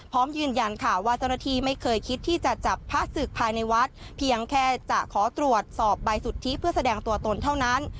พร้อมยืนยันค่ะว่าเจ้าหน้าที่ไม่เคยคิดที่จะจับพระศึกภายในวัดเพียงแค่จะขอตรวจสอบใบสุทธิเพื่อแสดงตัวตนเท่านั้น